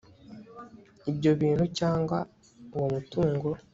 ibyo bintu cyangwa uwo mutungo